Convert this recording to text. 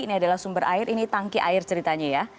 ini adalah sumber air ini tangki air ceritanya ya